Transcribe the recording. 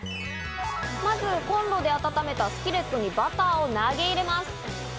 まずコンロで温めたスキレットにバターを投げれます。